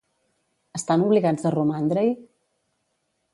Estan obligats a romandre-hi?